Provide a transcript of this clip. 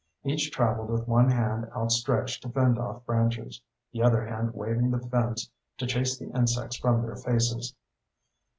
Each traveled with one hand outstretched to fend off branches, the other hand waving the fins to chase the insects from their faces.